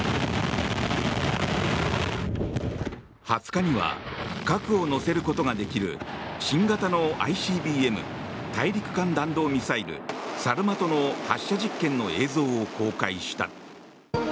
２０日には核を載せることができる新型のＩＣＢＭ・大陸間弾道ミサイルサルマトの発射実験の映像を公開した。